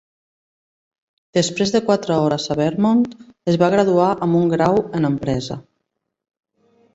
Després de quatre hores a Vermont, es va graduar amb un grau en Empresa.